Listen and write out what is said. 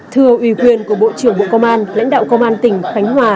thưa ủy quyền của bộ trưởng bộ công an lãnh đạo công an tỉnh khánh hòa